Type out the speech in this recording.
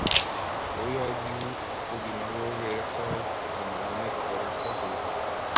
Kouyekiu, kokimakokertoi komangunet korekto bek